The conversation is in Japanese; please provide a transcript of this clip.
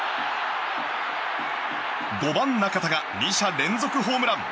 ５番、中田が２者連続ホームラン！